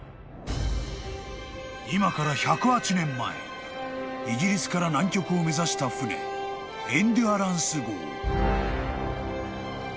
［今から１０８年前イギリスから南極を目指した船エンデュアランス号］